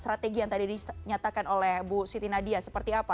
strategi yang tadi dinyatakan oleh bu siti nadia seperti apa